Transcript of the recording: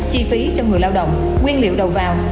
chi phí cho người lao động nguyên liệu đầu vào